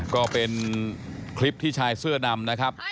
ก็เป็นคลิปที่ชายเสื้อดำนะครับ